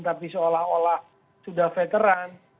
tapi seolah olah sudah veteran